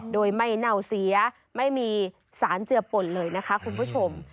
โดยไม่เน่าเสียไม่มีสารเจือป่นเลยนะคะคุณผู้ชม